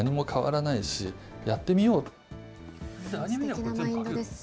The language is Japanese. すてきなマインドです。